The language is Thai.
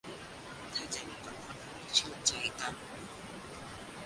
ถ้าเจอลิงก์จากคนที่ไม่ได้เชื่อใจกัน